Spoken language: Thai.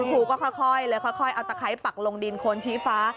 ครูก็ค่อยเลยค่อยเอาตะไคร้ปักลงดินโคนชี้ฟ้า